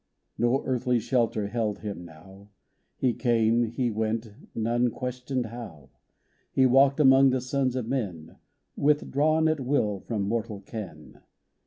No earthly shelter held Him now ; He came, He Went, none questioned how He walked among the sons of men, Withdrawn at will from mortal ken.